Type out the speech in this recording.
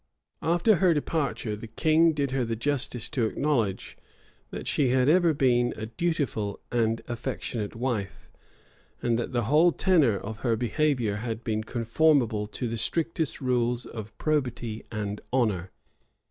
After her departure, the king did her the justice to acknowledge, that she had ever been a dutiful and affectionate wife, and that the whole tenor of her behavior had been conformable to the strictest rules of probity and honor.